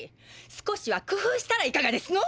少しはくふうしたらいかがですの！？